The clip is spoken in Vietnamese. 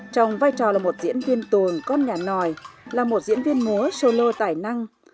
trong vai trò là một diễn viên tuồng con nhà nòi là một diễn viên múa solo tài năng